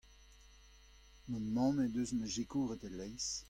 Ma mamm he deus ma sikouret e-leizh.